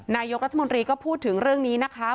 นายกรัฐมนตรีก็พูดถึงเรื่องนี้นะคะ